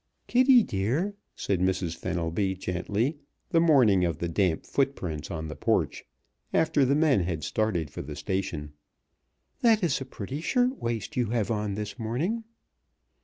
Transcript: "Kitty, dear," said Mrs. Fenelby, gently, the morning of the damp foot prints on the porch, after the men had started for the station, "that is a pretty shirt waist you have on this morning."